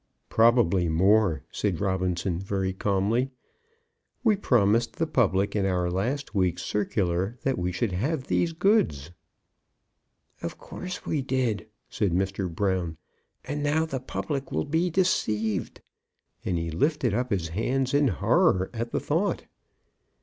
"Probably more," said Robinson, very calmly. "We promised the public in our last week's circular that we should have these goods." "Of course we did," said Mr. Brown; "and now the public will be deceived!" And he lifted up his hands in horror at the thought.